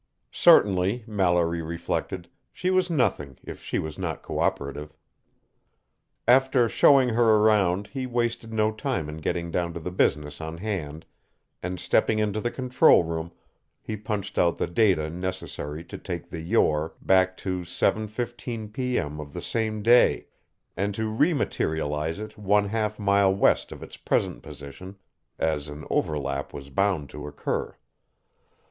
Certainly, Mallory reflected, she was nothing if she was not co operative. After showing her around he wasted no time in getting down to the business on hand, and stepping into the control room, he punched out the data necessary to take the Yore back to 7:15 p.m. of the same day, and to re materialize it one half mile west of its present position, as an overlap was bound to occur.